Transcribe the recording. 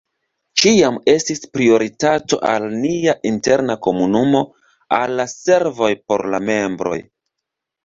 Ĉiam estis prioritato al nia interna komunumo, al la servoj por la membroj.